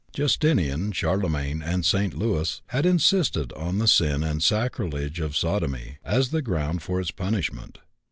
Justinian, Charlemagne, and St. Louis had insisted on the sin and sacrilege of sodomy as the ground for its punishment.